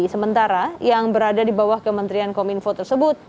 sementara yang berada di bawah kementerian kominfo tersebut